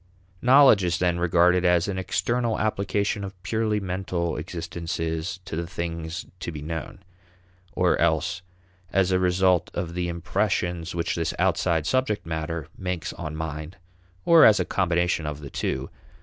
Knowledge is then regarded as an external application of purely mental existences to the things to be known, or else as a result of the impressions which this outside subject matter makes on mind, or as a combination of the two.